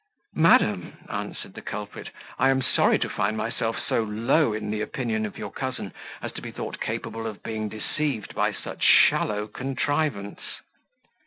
"Madam," answered the culprit, "I am sorry to find myself so low in the opinion of your cousin as to be thought capable of being deceived by such shallow contrivance."